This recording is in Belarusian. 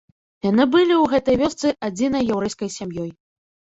Яны былі ў гэтай вёсцы адзінай яўрэйскай сям'ёй.